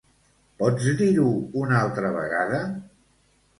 Pots dir-ho una altra vegada?